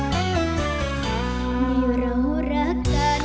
ถึงอยู่เรารักกัน